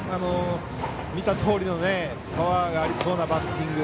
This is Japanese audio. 見たとおりのパワーがありそうなバッティング。